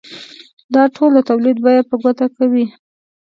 دا ټول د تولید بیه په ګوته کوي